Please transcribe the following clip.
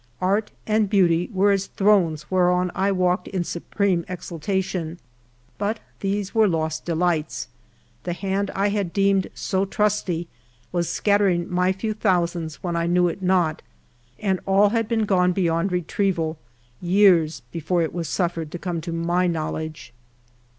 Art and beauty were as thrones whereon I walked in supreme exaltation. But these were lost delights; the hand I had deemed so trusty was scattering my few^ thousands when I knew it not, and all had been gone beyond retrieval years before it was suffered to come to my knowledge.